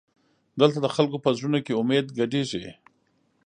دلته د خلکو په زړونو کې امید ګډېږي.